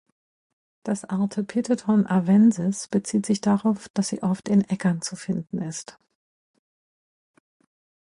Das Artepitheton "arvensis" bezieht sich darauf, dass sie oft in Äckern zu finden ist.